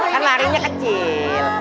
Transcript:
kan larinya kecil